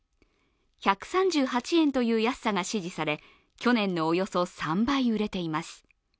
１３８円という安さが支持され、去年のおよそ３倍売れています。